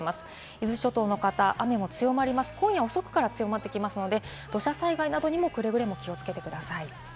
伊豆諸島の方、今夜から強まってきますので、土砂災害などにもくれぐれも注意してください。